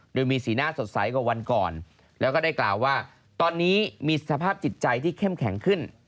โดยมีสีหน้าสดใสกว่าวันก่อนแล้วก็ได้กล่าวว่าตอนนี้มีสภาพจิตใจที่เข้มแข็งขึ้น